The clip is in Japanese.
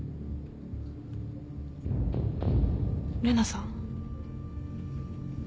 玲奈さん？